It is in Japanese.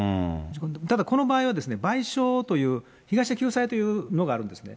ただこの場合は賠償という、被害者救済というのがあるんですね。